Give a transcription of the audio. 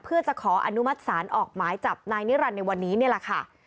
เพื่อจะขออนุมัติศาลออกหมายจับนายนิรันดิ์ในวันนี้นี่แหละค่ะ